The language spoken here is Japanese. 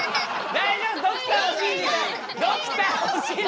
大丈夫！